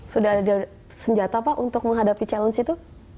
sudah ada senjata pak untuk menghadapi challenge itu